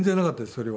それは。